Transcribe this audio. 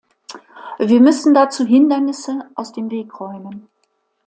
Wir müssen dazu Hindernisse aus dem Weg räumen.